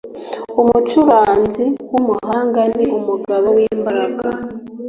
umucuranzi w umuhanga ni umugabo w imbaraga